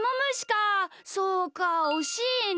そうかおしいな。